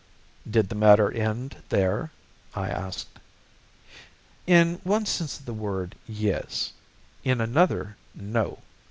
"Did the matter end there?" I asked. "In one sense of the word, yes in another, no.